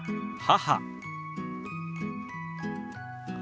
母。